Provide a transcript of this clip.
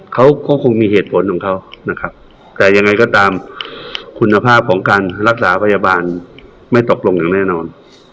เขาก็คงมีเหตุผลของเขานะครับแต่ยังไงก็ตามคุณภาพของการรักษาพยาบาลไม่ตกลงอย่างแน่นอน